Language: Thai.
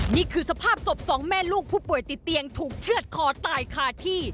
นี่คือสภาพศพสองแม่ลูกผู้ป่วยติดเตียงถูกเชื่อดคอตายคาที่